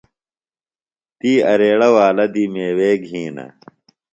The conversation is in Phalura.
تی اریڑہ والہ دی میوے گِھینہ۔